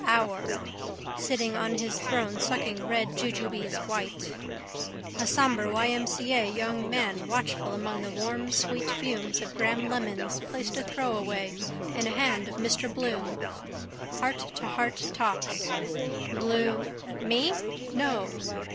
Our. Sitting on his throne sucking red jujubes white. A sombre Y. M. C. A. young man, watchful among the warm sweet fumes of Graham Lemon's, placed a throwaway in a hand of Mr Bloom. Heart to heart talks. Bloo... Me? No.